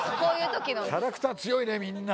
キャラクター強いねみんな。